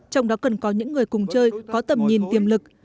trong đó cần có những người cùng chơi có tầm nhìn tiềm lực